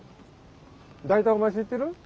大体お前知ってる？